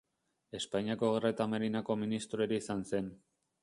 Espainiako Gerra eta Marinako ministro ere izan zen.